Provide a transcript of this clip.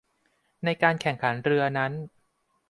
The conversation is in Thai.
ในการแข่งขันเรือนั้น